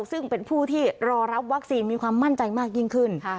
ซึ่งเป็นผู้ที่รอรับวัคซีนมีความมั่นใจมากยิ่งขึ้น